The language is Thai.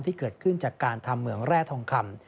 ที่เกิดขึ้นจากการทำเหมืองแร่ทองคำ